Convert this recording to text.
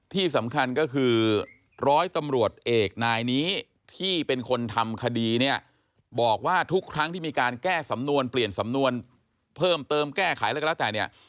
ที่สำคัญก็คือร้อยตำรวจเอกนายนี้ที่เป็นคนทำคดีเนี่ยบอกว่าทุกครั้งที่มีการแก้สำนวนเปลี่ยนสำนวนเพิ่มเติมแก้ไขอะไรก็แล้วแต่เนี่ย